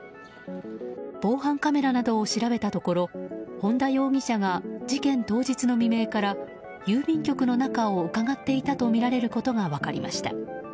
防犯カメラなどを調べたところ本田容疑者が事件当日の未明から郵便局の中をうかがっていたとみられることが分かりました。